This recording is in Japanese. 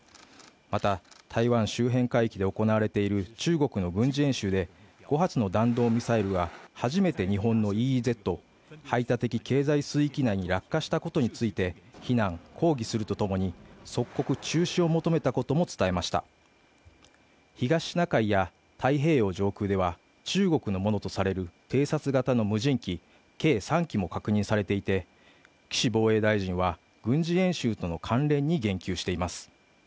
また台湾周辺海域で行われている中国の軍事演習で５発の弾道ミサイルが初めて日本のＥＥＺ＝排他的経済水域内に落下したことについて非難抗議するとともに即刻中止を求めたことも伝えました東シナ海や太平洋上空では中国のものとされる偵察型の無人機計３機も確認されていて岸防衛大臣は軍事演習との関連に言及しています